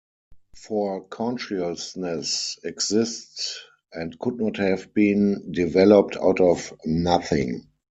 For consciousness exists, and could not have been developed out of nothing.